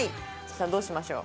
さあどうしましょう？